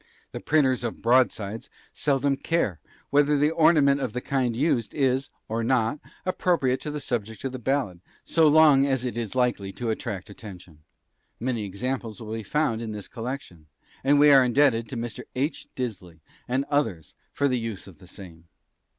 The printers of "broadsides" seldom care whether an ornament of the kind used is, or not, appropriate to the subject of the ballad, so long as it is likely to attract attention. Many examples will be found in this collection, and we are indebted to Mr. H. Disley and others for the use of the same.